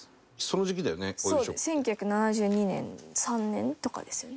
１９７２年１９７３年とかですよね。